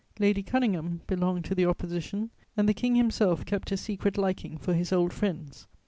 Lady Conyngham belonged to the Opposition, and the King himself kept a secret liking for his old friends.